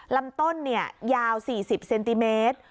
ลำต้นยาว๔๐เซนติเมตร